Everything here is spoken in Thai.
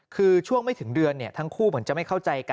คือช่วงไม่ถึงเดือนทั้งคู่เหมือนจะไม่เข้าใจกัน